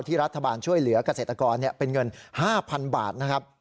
รัฐบาลช่วยเหลือกเกษตรกรเป็นเงิน๕๐๐๐บาทนะครับ